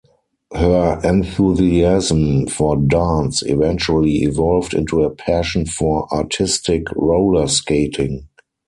Her enthusiasm for dance eventually evolved into a passion for artistic roller skating.